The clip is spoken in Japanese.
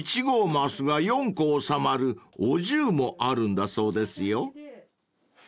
［１合升が４個収まるお重もあるんだそうですよ］